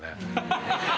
ハハハハ！